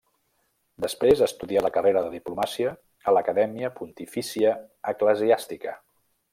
Després estudià la carrera de diplomàcia a l'Acadèmia Pontifícia Eclesiàstica.